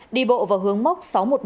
đi bộ vào hướng mốc sáu trăm một mươi ba